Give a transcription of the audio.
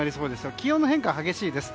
気温の変化が激しいです。